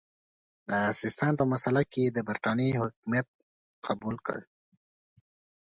د سیستان په مسئله کې یې د برټانیې حکمیت قبول کړ.